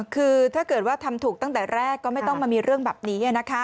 คือถ้าเกิดว่าทำถูกตั้งแต่แรกก็ไม่ต้องมามีเรื่องแบบนี้